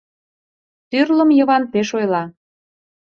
Тӱрлым Йыван пеш ойла: